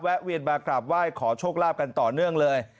เวียนมากราบไหว้ขอโชคลาภกันต่อเนื่องเลย